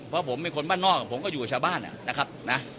เพราะผมเป็นคนบ้านนอกผมก็อยู่กับชาวบ้านนะครับนะ